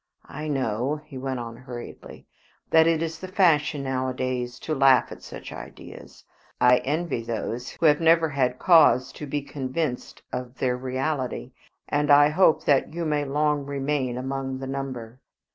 I know," he went on hurriedly, "that it is the fashion nowadays to laugh at such ideas. I envy those who have never had cause to be convinced of their reality, and I hope that you may long remain among the number.